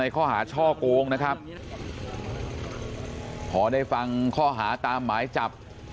ข้อหาตามหมายจับ